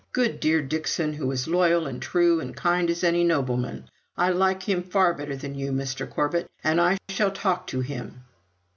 Good, dear Dixon, who is as loyal and true and kind as any nobleman. I like him far better than you, Mr. Corbet, and I shall talk to him."